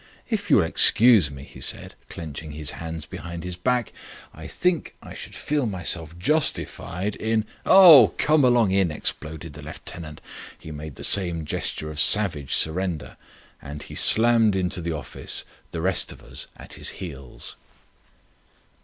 "If you will excuse me," he said, clenching his hands behind his back, "I think I should feel myself justified in " "Oh! Come along in," exploded the lieutenant. He made the same gesture of savage surrender. And he slammed into the office, the rest of us at his heels.